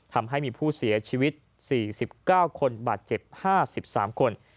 ทำให้มีผู้เสียชีวิต๔๙คนบาดเจ็บ๕๓คน